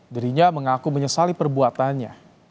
dirinya mengaku menyesali perbuatannya